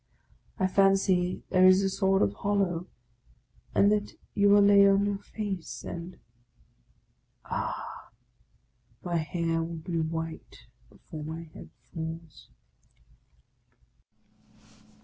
I fancy there is a sort of hollow, and that you are laid on your face, and — Ah, my hair wtli be white before my head falls!